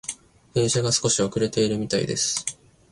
電車が少し遅れているみたいです。